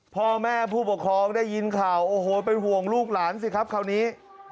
พ่อแม่ผู้ปกครองได้ยินข่าวโอ้โหเป็นห่วงลูกหลานสิครับคราวนี้